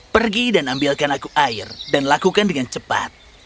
pergi dan ambilkan aku air dan lakukan dengan cepat